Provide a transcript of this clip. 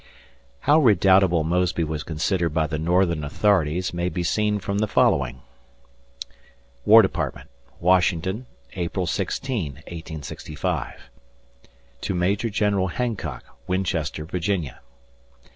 How redoubtable Mosby was considered by the Northern authorities may be seen from the following: War Department, Washington, April 16, 1865. Major General Hancock, Winchester, Va.